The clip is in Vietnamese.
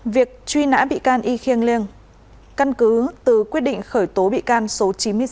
việc truy nã bị can y khiêng liêng căn cứ từ quyết định khởi tố bị can số chín mươi sáu